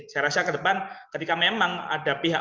saya rasa ke depan ketika memang ada pihak